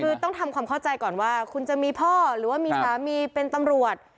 คือต้องทำความเข้าใจก่อนว่าคุณจะมีพ่อหรือว่ามีสามีเป็นตำรวจ